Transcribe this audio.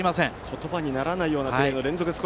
言葉にならないようなプレーの連続です。